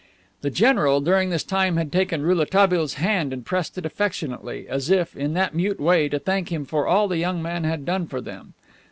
The general during this time had taken Rouletabille's hand and pressed it affectionately, as if, in that mute way, to thank him for all the young man had done for them.